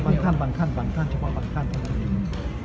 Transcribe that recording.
บางท่านบางท่านบางท่านเฉพาะบางท่านทั้งนี้